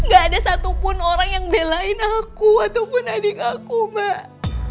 gak ada satupun orang yang belain aku ataupun adik aku mbak